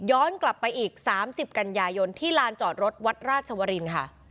กลับไปอีก๓๐กันยายนที่ลานจอดรถวัดราชวรินค่ะ